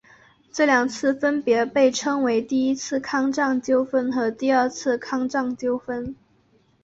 这两次分别被称为第一次康藏纠纷和第二次康藏纠纷。